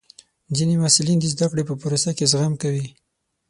ځینې محصلین د زده کړې په پروسه کې زغم کوي.